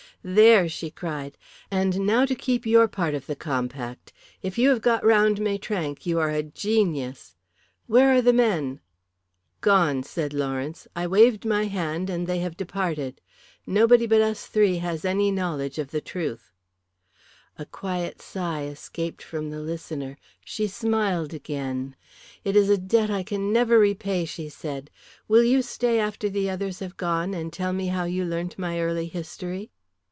"There!" she cried. "And now to keep your part of the compact. If you have got round Maitrank you are a genius. Where are the men?" "Gone!" said Lawrence. "I waved my hand and they have departed. Nobody but us three has any knowledge of the truth." A quiet sigh escaped from the listener. She smiled again. "It is a debt I can never repay," she said. "Will you stay after the others have gone and tell me how you learnt my early history?"